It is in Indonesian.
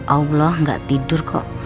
allah gak tidur kok